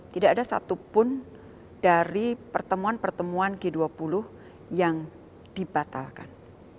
tidak ada satupun dari pertemuan pertemuan g dua puluh yang dibatalkan